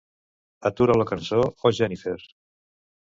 Atura la cançó "Oh Jennifer".